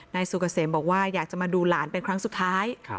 นายสุกเกษมบอกว่าอยากจะมาดูหลานเป็นครั้งสุดท้าย